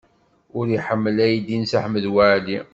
Ur iḥemmel aydi n Si Ḥmed Waɛli.